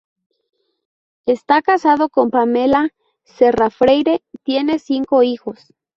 Está casado con Pamela Serra Freire, tienen cinco hijos.